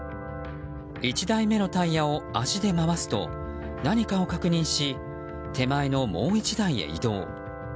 １台目のタイヤを足で回すと何かを確認し手前のもう１台へと移動。